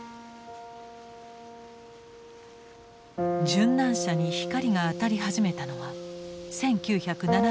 殉難者に光が当たり始めたのは１９７０年代。